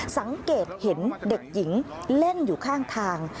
สังเกตเห็นเด็กหญิงเล่นอยู่ข้างทาง